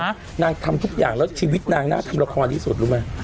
นางทำทุกอย่างแล้วชีวิตนางน่าทำละครที่สุดรู้ไหม